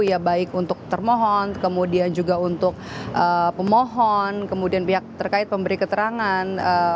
ya baik untuk termohon kemudian juga untuk pemohon kemudian pihak terkait pemberi keterangan